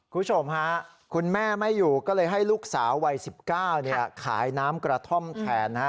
คุณแม่ไม่อยู่ก็เลยให้ลูกสาววัย๑๙ขายน้ำกระท่อมแขน